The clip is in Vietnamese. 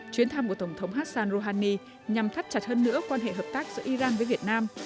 chuyến thăm của tổng thống hassan rouhani nhằm thắt chặt hơn nữa quan hệ hợp tác giữa iran với việt nam